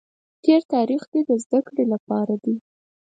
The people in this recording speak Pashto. تېر تاریخ دې د زده کړې لپاره دی.